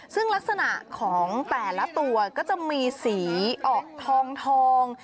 ซึ่งลักษณะของแต่ละตัวก็จะมีสีออกทอง